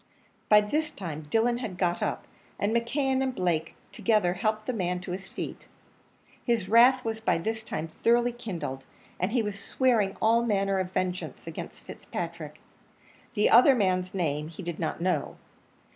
By this time Dillon had got up; and McKeon and Blake together helped the other man to his feet; his wrath was by this time thoroughly kindled, and he was swearing all manner of vengeance against Fitzpatrick the other man's name he did not know.